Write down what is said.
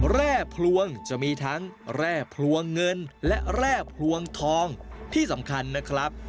แร่พลวงจะมีทั้งแร่พลวงเงินและแร่พลวงทองที่สำคัญนะครับ